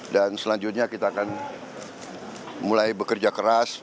dan selanjutnya kita akan mulai bekerja keras